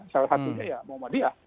salah satunya ya muhammadiyah